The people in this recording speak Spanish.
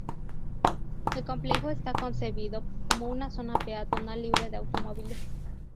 El complejo está concebido como una zona peatonal libre de automóviles.